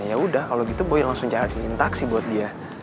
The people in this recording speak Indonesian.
yaudah kalau gitu boy langsung nyariin taksi buat dia